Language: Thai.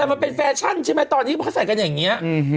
แต่มันเป็นแฟชั่นใช่ไหมตอนที่เขาใส่กันอย่างนี้